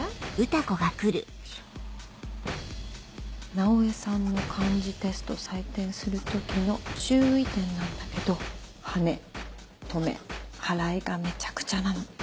直江さんの漢字テスト採点する時の注意点なんだけどはねとめはらいがめちゃくちゃなの。